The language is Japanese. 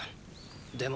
でも